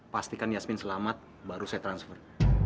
pastikan yasmin selamat baru saya transfer